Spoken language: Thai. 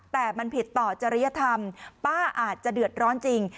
แต่มันผิดต่อจริยธรรมป้าอาจจะเดือดร้อนจริง